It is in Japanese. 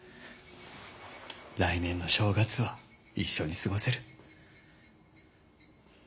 来年の正月は一緒に過ごせる。